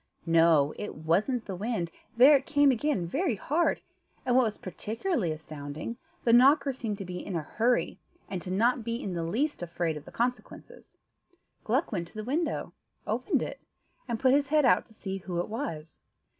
No; it wasn't the wind: there it came again very hard, and what was particularly astounding, the knocker seemed to be in a hurry, and not to be in the least afraid of the consequences. Gluck went to the window, opened it, and put his head out to see who it was.